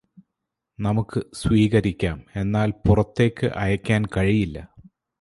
നമുക്ക് സ്വീകരിക്കാം എന്നാല് പുറത്തേക്ക് അയക്കാൻ കഴിയില്ല